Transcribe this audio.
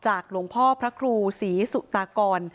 หลวงพ่อพระครูศรีสุตากร